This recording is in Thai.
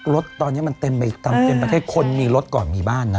ลดตอนนี้มันเต็มไปอีกต่ำเต็มไปให้คนมีลดก่อนมีบ้านนะ